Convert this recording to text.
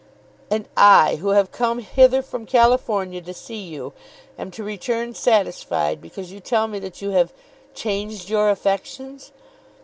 "And I, who have come hither from California to see you, am to return satisfied because you tell me that you have changed your affections?